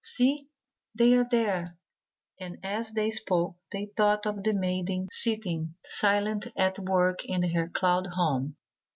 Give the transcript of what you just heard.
See, they are there," and as they spoke they thought of the maiden sitting silently at work in her cloud home.